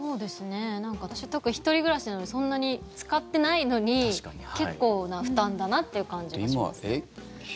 私は１人暮らしなのでそんなに使ってないのに結構な負担だなという感じはしますね。